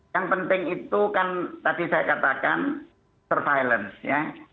yang penting itu kan tadi saya katakan surveillance ya